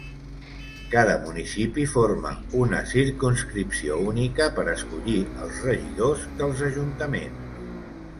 Cada municipi forma una circumscripció única per escollir els regidors dels ajuntaments.